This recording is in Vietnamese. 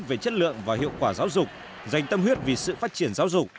về chất lượng và hiệu quả giáo dục dành tâm huyết vì sự phát triển giáo dục